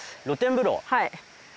はい。